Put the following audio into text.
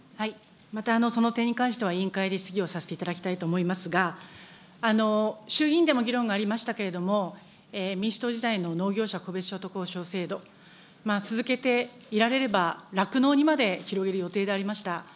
またその点に関しては、委員会で質疑をさせていただきたいと思いますが、衆議院でも議論がありましたけれども、民主党時代の農業者戸別所得補償制度、続けていられれば酪農にまで広げる予定でありました。